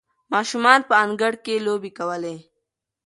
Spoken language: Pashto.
ماشومان په انګړ کې لوبې کولې.